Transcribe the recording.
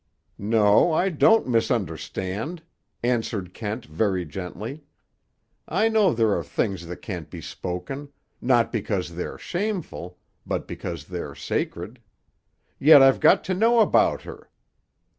"No, I don't misunderstand," answered Kent very gently. "I know there are things that can't be spoken, not because they are shameful, but because they are sacred. Yet I've got to know about her.